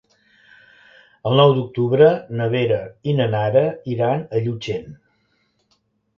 El nou d'octubre na Vera i na Nara iran a Llutxent.